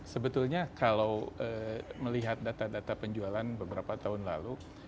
sebetulnya kalau melihat data data penjualan beberapa tahun lalu